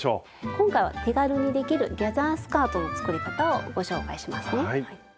今回は手軽にできるギャザースカートの作り方をご紹介しますね。